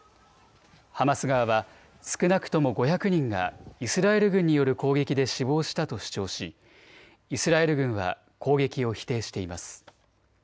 ハマス側は少なくとも５００人がイスラエル軍による攻撃で死亡したと主張しイスラエル軍は攻撃を否定しています。